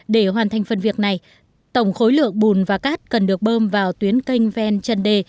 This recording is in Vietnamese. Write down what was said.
để hoàn thành phần việc này tổng khối lượng bùn và cát cần được bơm vào tuyến canh ven chân đề